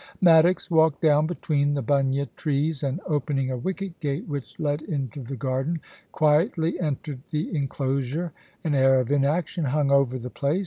Maddox walked down between the bunya trees, and, opening a wicket gate whi6h led into the garden, quietly entered the enclosure. An air of inaction hung over the place.